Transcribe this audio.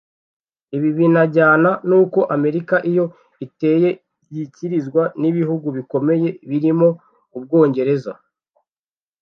Ibi binajyana n’uko Amerika iyo iteye yikirizwa n’ibihugu bikomeye birimo u Bwongereza